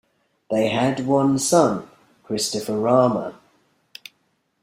They had one son, Christopher Rama.